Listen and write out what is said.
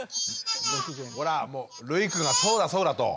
ほらもうるいくんがそうだそうだと。ね？